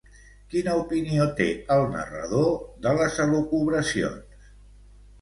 Quina opinió té el narrador de les elucubracions?